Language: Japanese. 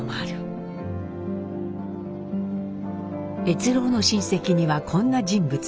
越郎の親戚にはこんな人物も。